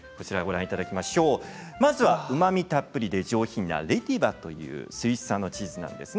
まずは、うまみたっぷりで上品なレティヴァというスイス産のチーズです。